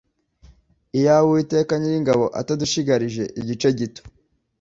Iyaba Uwiteka Nyiringabo atadushigarije igice gito